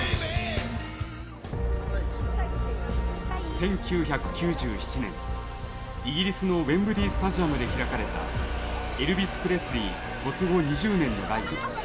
１９９７年、イギリスのウェンブリースタジアムで開かれたエルヴィス・プレスリー没後２０年のライブ。